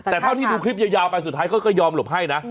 แต่เท่าที่ดูคลิปยาวไปสุดท้ายเขาก็ยอมหลบให้นะ